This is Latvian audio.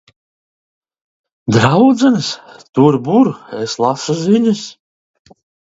Draudzenes tur buru, es lasu ziņas.